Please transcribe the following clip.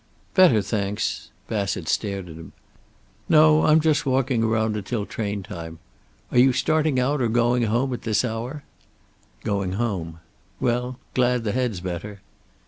"Better, thanks." Bassett stared at him. "No, I'm just walking around until train time. Are you starting out or going home, at this hour?" "Going home. Well, glad the head's better."